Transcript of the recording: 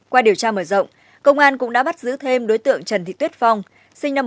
qua điều tra mở rộng công an cũng đã bắt giữ thêm đối tượng trần thị tuyết phong sinh năm một nghìn chín trăm tám mươi